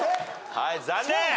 はい残念。